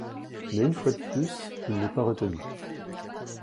Mais une fois de plus il n'est pas retenu.